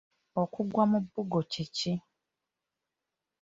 Okugwa mu bbugo kye ki?